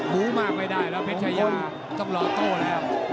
บู้มากไม่ได้แล้วเพชรชายาต้องรอโต้แล้ว